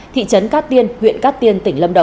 thị trấn cát tiên huyện cát tiên